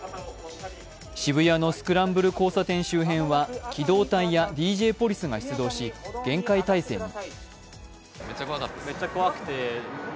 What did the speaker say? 渋谷のスクランブル交差点周辺は機動隊やＤＪポリスが出動し、厳戒態勢に。